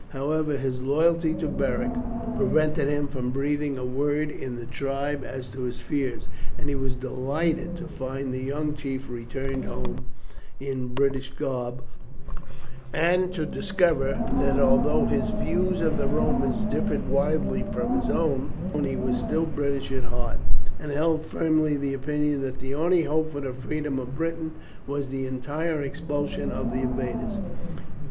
However, his loyalty to Beric prevented him from breathing a word in the tribe as to his fears, and he was delighted to find the young chief return home in British garb, and to discover that although his views of the Romans differed widely from his own, he was still British at heart, and held firmly the opinion that the only hope for the freedom of Britain was the entire expulsion of the invaders.